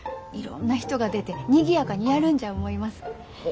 いろんな人が出てにぎやかにやるんじゃ思います。